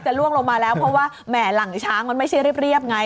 ล่วงลงมาแล้วเพราะว่าแหม่หลังช้างมันไม่ใช่เรียบไง